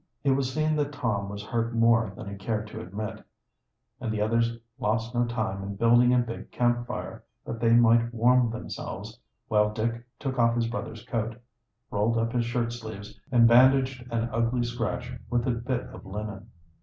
It was seen that Tom was hurt more than he cared to admit, and the others lost no time in building a big camp fire, that they might warm themselves, while Dick took off his brother's coat, rolled up his shirt sleeves, and bandaged an ugly scratch with a bit of linen.